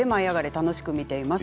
楽しく見ています。